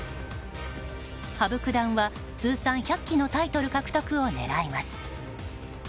羽生九段は通算１００期のタイトル獲得を狙います。